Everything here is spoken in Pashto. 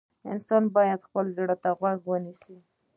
انسان باید خپل زړه ته غوږ ونیسي.